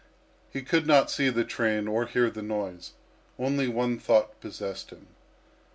He could not see the train or hear the noise. Only one thought possessed him.